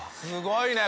すごい！